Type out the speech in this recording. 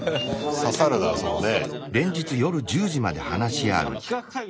刺さるなそのね。